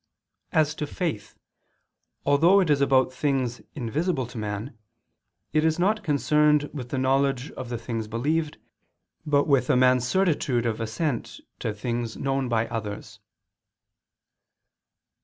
As to faith, although it is about things invisible to man, it is not concerned with the knowledge of the things believed, but with a man's certitude of assent to things known by others.